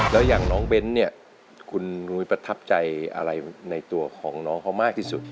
แล้วอย่างน้องเบ้นเนี่ยคุณนุ้ยประทับใจอะไรในตัวของน้องเขามากที่สุด